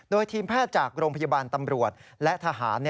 โดยทีมแพทย์จากโรงพยาบาลตำรวจและทหาร